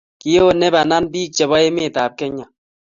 Kiyonei panan piik chebo emet ab Kenya